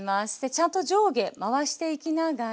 ちゃんと上下回していきながら。